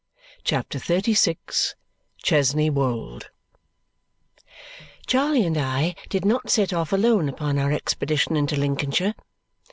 CHAPTER XXXVI Chesney Wold Charley and I did not set off alone upon our expedition into Lincolnshire.